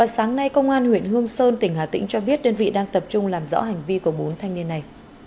sáng nay công an huyện hương sơn tỉnh hà tĩnh cho biết đơn vị đang tập trung làm rõ hành vi của bốn thanh niên này